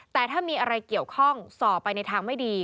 แต่ถ้ามีอะไรเกี่ยวข้องส่อไปในทางไม่ดี